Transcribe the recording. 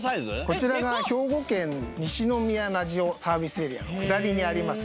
こちらが兵庫県西宮名塩サービスエリアの下りにあります